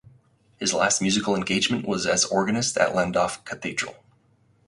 His last musical engagement was as organist at Llandaff Cathedral.